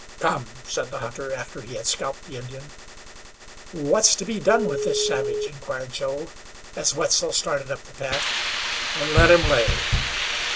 "Come," said the hunter, after he had scalped the Indian. "What's to be done with this savage?" inquired Joe, as Wetzel started up the path. "Let him lay."